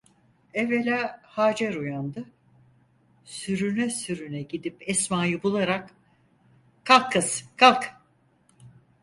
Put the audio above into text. Evvela Hacer uyandı, sürüne sürüne gidip Esma'yı bularak: "Kalk kız, kalk…"